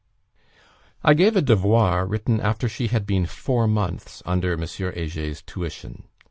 I gave a devoir, written after she had been four months under M. Heger's tuition.